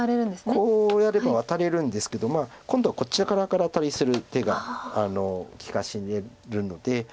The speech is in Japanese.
こうやればワタれるんですけど今度はこっち側からアタリする手が利かせられるので。